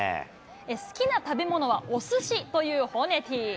好きな食べ物は、おすしというホネティ。